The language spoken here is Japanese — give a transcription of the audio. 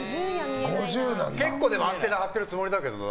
結構アンテナ張ってるつもりだけどな。